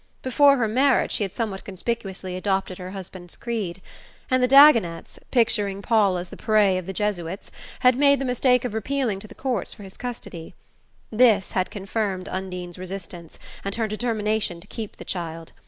Before her marriage she had somewhat conspicuously adopted her husband's creed, and the Dagonets, picturing Paul as the prey of the Jesuits, had made the mistake of appealing to the courts for his custody. This had confirmed Undine's resistance, and her determination to keep the child.